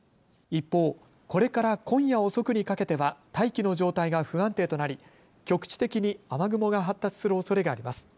一方、これから今夜遅くにかけては大気の状態が不安定となり局地的に雨雲が発達するおそれがあります。